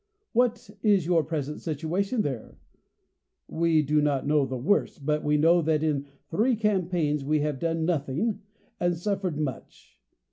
What is your present situation there ? We do not know the worst ; but we know, that in three campaigns we have done nothing, and suffered much.